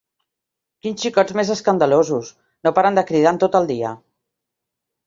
Quins xicots més escandalosos: no paren de cridar en tot el dia.